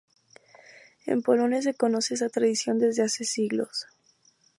En Polonia se conoce está tradición desde hace siglos.